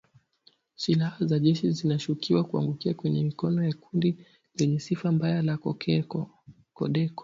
Silaha za jeshi zinashukiwa kuangukia kwenye mikono ya kundi lenye sifa mbaya la CODECO